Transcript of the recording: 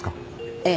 ええ。